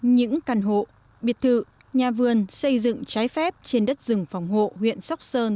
những căn hộ biệt thự nhà vườn xây dựng trái phép trên đất rừng phòng hộ huyện sóc sơn